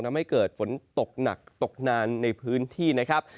ทำให้เกิดฝนตกหนักตกนานในพื้นที่นะครับ